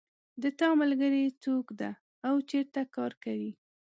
د تا ملګری څوک ده او چېرته کار کوي